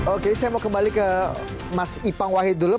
oke saya mau kembali ke mas ipang wahid dulu